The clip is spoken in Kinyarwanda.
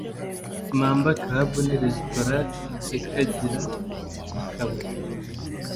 Mamba Club ni resitora ikagira n’akabari